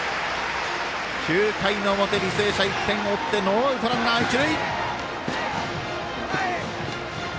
９回の表、履正社１点を追ってノーアウト、ランナー、一塁。